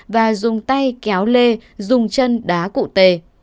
và dùng tay kéo lê dùng chân đá cụ tề